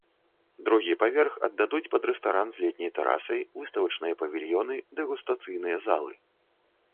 Другі паверх аддадуць пад рэстаран з летняй тэрасай, выставачныя павільёны, дэгустацыйныя залы.